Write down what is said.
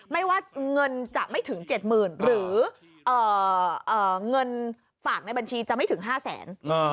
ไม่ว่าเงินจะไม่ถึง๗๐๐๐หรือเงินฝากในบัญชีจะไม่ถึง๕แสน